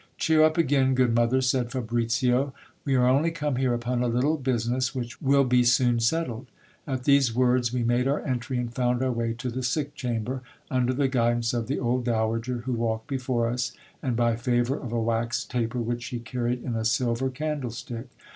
Cheer up again, good mother, said Fabricio ; we are only come here upon a little business which will be soon settled. At these words we made our entry, and found our way to the sick chamber, under the guidance of the old dowager who walked before us, and by favour of a wax taper which she carried in a silver candlestick.